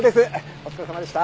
お疲れさまでした。